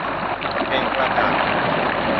เทกระจาด